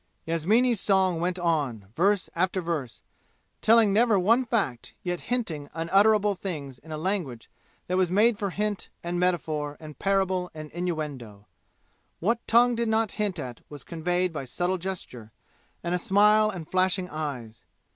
Yasmini's song went on, verse after verse, telling never one fact, yet hinting unutterable things in a language that was made for hint and metaphor and parable and innuendo. What tongue did not hint at was conveyed by subtle gesture and a smile and flashing eyes.